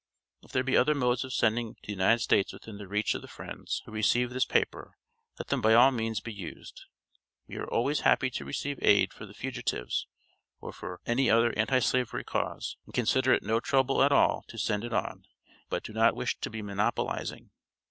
If there be other modes of sending to the United States within the reach of the friends, who receive this paper, let them by all means be used. We are always happy to receive aid for the fugitives or for any other Anti slavery cause, and consider it no trouble at all to send it on, but do not wish to be monopolizing.